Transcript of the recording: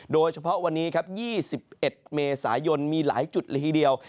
โดยเฉพาะวันนี้ครับ๒๑เมษายนมีหลายจุดละทีเดียว